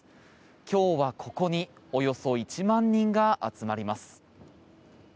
今日はここにおよそ１万人が集まります。